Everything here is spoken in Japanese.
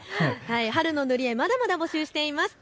春の塗り絵、まだまだ募集しています。